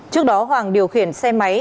trước đó hoàng điều khiển xe máy